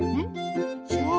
そう。